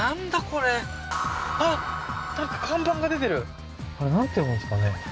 これあっなんか看板が出てるあれなんて読むんですかね？